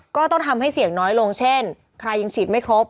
ก็ต้องทำให้เสี่ยงน้อยลงเช่นใครยังฉีดไม่ครบ